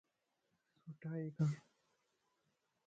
سٺائي ڪر